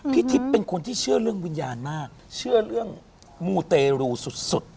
ทิพย์เป็นคนที่เชื่อเรื่องวิญญาณมากเชื่อเรื่องมูเตรูสุด